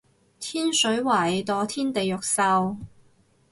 天水圍墮天地獄獸